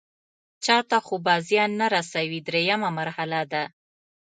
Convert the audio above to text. چاته خو به زیان نه رسوي دریمه مرحله ده.